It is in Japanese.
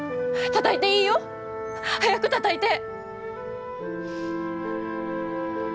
たたいていいよ！早くたたいて！